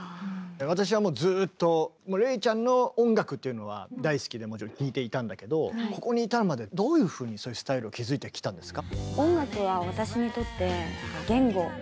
私はもうずっとＲｅｉちゃんの音楽っていうのは大好きでもちろん聴いていたんだけどここに至るまでどういうふうにスタイルを築いてきたんですか？